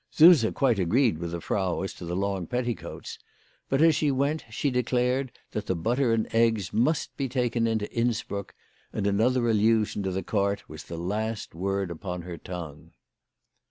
Suse quite agreed with the Frau as to the long petticoats ; but, as she went, she declared that the butter and eggs must be taken into Innsbruck, and another allusion to the cart was the last word upon her tongue.